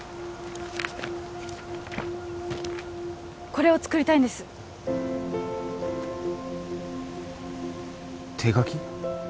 これを作りたいんです手描き？